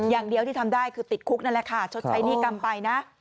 อย่างเดียวที่ทำได้คือติดคุกนั่นแหละค่ะชดใช้หนี้กรรมไปนะ